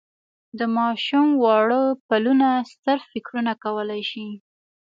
د ماشوم واړه پلونه ستر فکرونه کولای شي.